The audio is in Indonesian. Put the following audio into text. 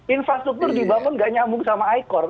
infrastruktur dibangun nggak nyambung sama ikor